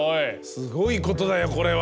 すごいことだよこれは。